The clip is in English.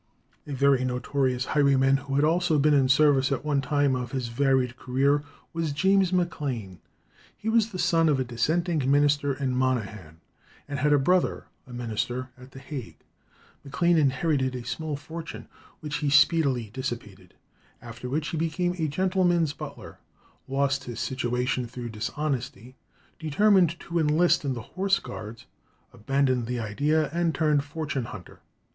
A very notorious highwayman, who had also been in service at one time of his varied career, was James Maclane. He was the son of a dissenting minister in Monaghan, and had a brother a minister at The Hague. Maclane inherited a small fortune, which he speedily dissipated, after which he became a gentleman's butler, lost his situation through dishonesty, determined to enlist in the Horse Guards, abandoned the idea, and turned fortune hunter.